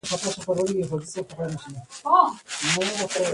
دا درې سوه دیناره د پېشکي په ډول ورکړي دي